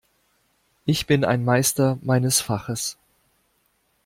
Ich bin ein Meister meines Faches.